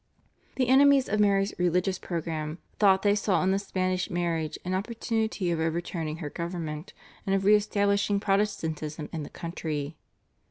The enemies of Mary's religious programme thought they saw in the Spanish marriage an opportunity of overturning her government, and of re establishing Protestantism in the country.